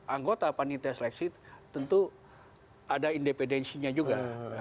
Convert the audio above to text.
anggota panitia seleksi tentu ada independensinya juga